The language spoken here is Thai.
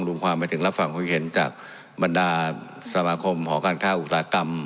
รวมความมาถึงรับฟังคุณเห็นจากบรรดาสมาคมหอการค่าอุตสาหกรรม